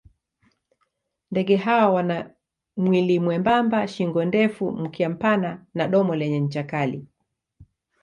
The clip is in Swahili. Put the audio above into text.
Ndege hawa wana mwili mwembamba, shingo ndefu, mkia mpana na domo lenye ncha kali.